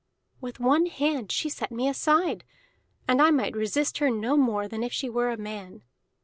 With one hand she set me aside, and I might resist her no more than if she were a man.